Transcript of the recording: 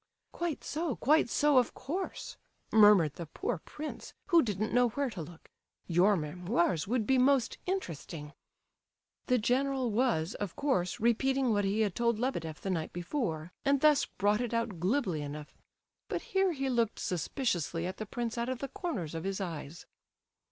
"Quite so, quite so, of course!" murmured the poor prince, who didn't know where to look. "Your memoirs would be most interesting." The general was, of course, repeating what he had told Lebedeff the night before, and thus brought it out glibly enough, but here he looked suspiciously at the prince out of the corners of his eyes.